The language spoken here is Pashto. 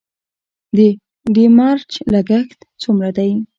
د ډیمریج لګښت څومره دی؟